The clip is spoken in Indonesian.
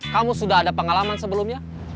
kamu sudah ada pengalaman sebelumnya